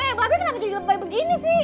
bapak kenapa jadi lebay begini sih